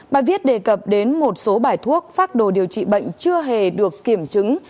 bài viết đề cập đến một số bài thuốc phác đồ điều trị bệnh chưa hề được kiểm chứng